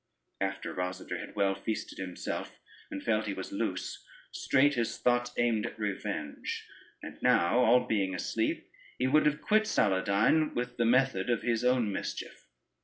After Rosader had well feasted himself, and felt he was loose, straight his thoughts aimed at revenge, and now, all being asleep, he would have quit Saladyne with the method of his own mischief.